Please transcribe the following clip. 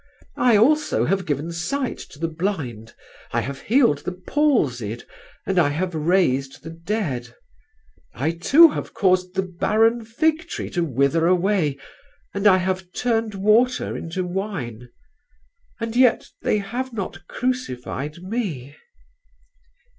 I also have given sight to the blind, I have healed the palsied and I have raised the dead; I too have caused the barren fig tree to wither away and I have turned water into wine ... and yet they have not crucified me.'"